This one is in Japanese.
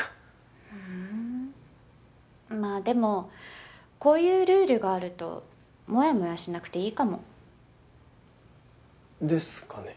まあでもこういうルールがあるともやもやしなくていいかも。ですかね？